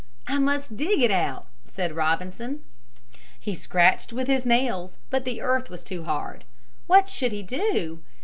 "I must dig it out," said Robinson. He scratched with his nails, but the earth was too hard. What should he do?